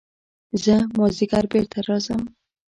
زه مازديګر بېرته راځم.